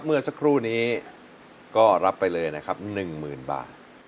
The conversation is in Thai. เมื่อสักครู่นี้ก็รับไปเลยนะครับหนึ่งหมื่นบาท